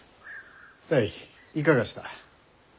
泰いかがした？